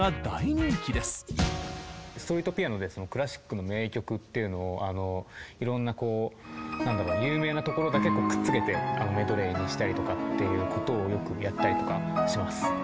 ストリートピアノでクラシックの名曲っていうのをいろんなこう何だろう有名なところだけくっつけてメドレーにしたりとかっていうことをよくやったりとかします。